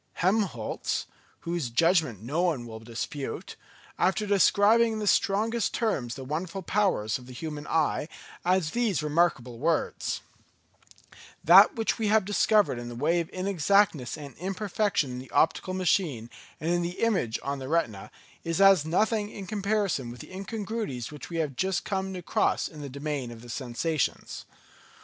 Helmholtz, whose judgment no one will dispute, after describing in the strongest terms the wonderful powers of the human eye, adds these remarkable words: "That which we have discovered in the way of inexactness and imperfection in the optical machine and in the image on the retina, is as nothing in comparison with the incongruities which we have just come across in the domain of the sensations.